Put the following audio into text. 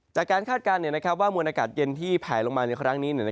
คาดการณ์ว่ามวลอากาศเย็นที่แผลลงมาในครั้งนี้